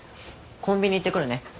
コンビニ行ってくるね。